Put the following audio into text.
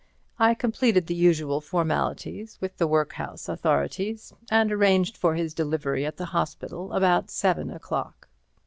I completed the usual formalities with the workhouse authorities, and arranged for his delivery at the hospital about seven o'clock.